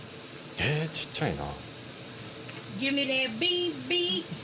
えー、ちっちゃいな。